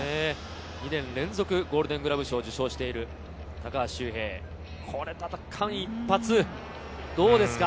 ２年連続ゴールデングラブ賞を受賞している高橋周平、これはまた間一髪、どうでしょうか。